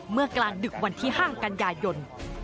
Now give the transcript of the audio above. เมื่อกลางดึกวันที่ห้างกันยายน